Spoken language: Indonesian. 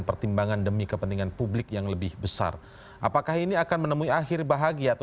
pertimbangan demi kepentingan publik yang lebih besar apakah ini akan menemui akhir bahagia